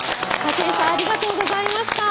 ありがとうございます。